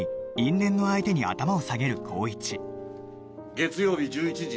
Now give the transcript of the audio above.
月曜日１１時。